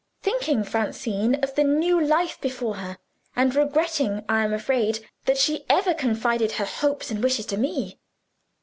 "Thinking, Francine, of the new life before her and regretting, I am afraid, that she ever confided her hopes and wishes to me.